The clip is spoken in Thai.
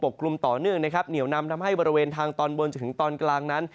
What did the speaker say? เหนียวนำทำให้บริเวณทางตอนบนจนถึงตอนกลางนั้น